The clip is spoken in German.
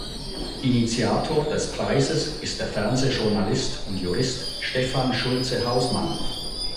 Initiator des Preises ist der Fernsehjournalist und Jurist Stefan Schulze-Hausmann.